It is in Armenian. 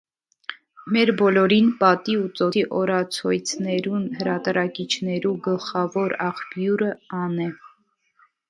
Մեր բոլորին պատի ու ծոցի օրացոյցներուն հրատարակիչներու գլխաւոր աղբիւրը ան է։